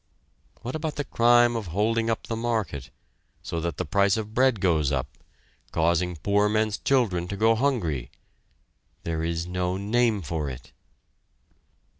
What about the crime of holding up the market, so that the price of bread goes up, causing poor men's children to go hungry? There is no name for it!